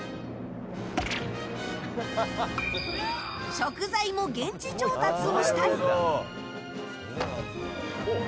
食材も現地調達をしたり。